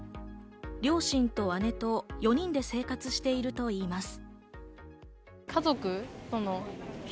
両親と姉と４人で生活しているといいます。